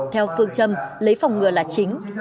theo phương châm lấy phòng ngừa là chính